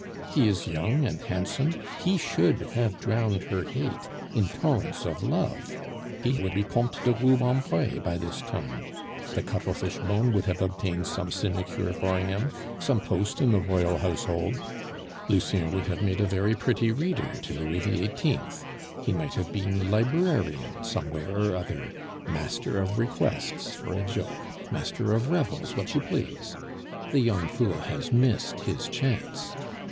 He is young and handsome, he should have drowned her hate in torrents of love, he would be Comte de Rubempre by this time; the Cuttlefish bone would have obtained some sinecure for him, some post in the Royal Household. Lucien would have made a very pretty reader to Louis XVIII.; he might have been librarian somewhere or other, Master of Requests for a joke, Master of Revels, what you please. The young fool has missed his chance.